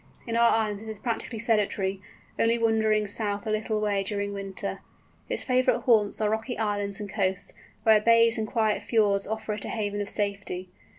In our islands it is practically sedentary, only wandering south a little way during winter. Its favourite haunts are rocky islands and coasts, where bays and quiet fjords offer it a haven of safety.